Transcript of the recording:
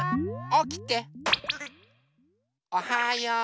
おはよう。